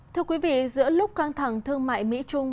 thưa quý vị giữa lúc căng thẳng thương mại mỹ trung